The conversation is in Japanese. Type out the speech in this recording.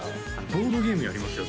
ボードゲームやりますよ